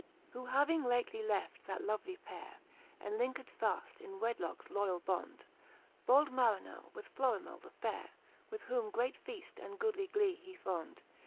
Who having lately left that lovely pay re Enlincked faft in wedlockes loyall bond, Bold Marinell with Fiorimell the fayre, With whom great feaft and goodly glee he fond.